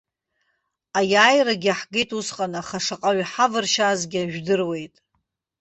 Аиааирагьы ҳгеит усҟан, аха шаҟаҩ ҳавыршьаазгьы жәдыруеит!